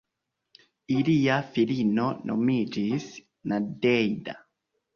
Ilia filino nomiĝis "Nadeĵda".